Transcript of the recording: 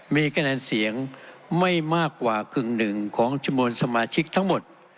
มีคะแนนเสียงไม่มากกว่ากึ่งหนึ่งของจำนวนสมาชิกทั้งหมด